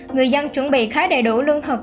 người dân chuẩn bị khá đầy đủ lương thực